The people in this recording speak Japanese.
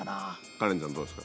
カレンちゃんどうですか？